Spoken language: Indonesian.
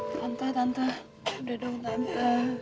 tante tante udah dong tante